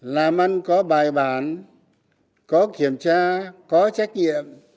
làm ăn có bài bản có kiểm tra có trách nhiệm